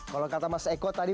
kalau kata mas eko tadi